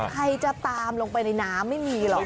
ใครจะตามลงไปในน้ำไม่มีหรอก